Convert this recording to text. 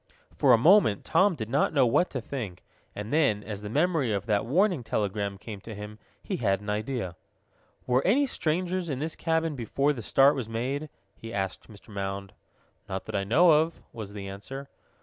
For a moment Tom did not know what to think, and then, as the memory of that warning telegram came to him, he had an idea. "Were any strangers in this cabin before the start was made?" he asked Mr. Mound. "Not that I know of," was the answer.